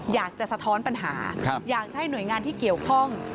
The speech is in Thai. สะท้อนปัญหาอยากจะให้หน่วยงานที่เกี่ยวข้อง